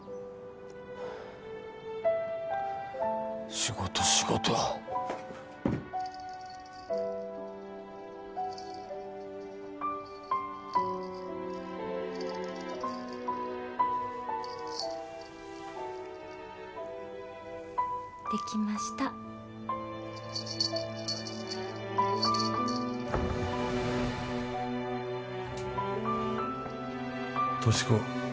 仕事仕事できました俊子